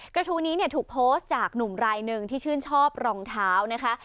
กระทู้นี้เนี่ยถูกโพสต์จากหนุ่มรายหนึ่งที่ชื่นชอบรองเท้านะคะ